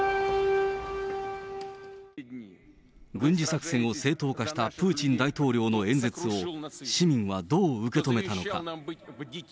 軍事作戦を正当化したプーチン大統領の演説を市民はどう受け止めたのか。